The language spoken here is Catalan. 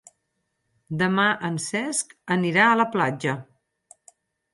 Demà en Cesc anirà a la platja.